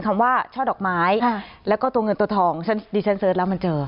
คำว่าช่อดอกไม้แล้วก็ตัวเงินตัวทองดิฉันเสิร์ชแล้วมันเจอ